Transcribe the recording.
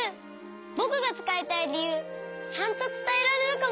ぼくがつかいたいりゆうちゃんとつたえられるかも。